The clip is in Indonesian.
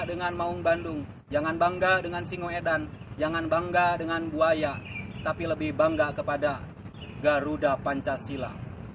eko menulis keterangan aksinya ini merupakan bantuan dari jack mania yang telah memberinya jersi persija